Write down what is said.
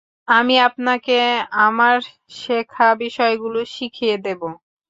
আমি আপনাকে আমার শেখা বিষয়গুলো শিখিয়ে দিব।